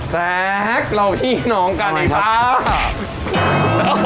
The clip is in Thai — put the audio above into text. แซคเราพี่น้องกันนะครับ